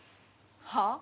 はあ？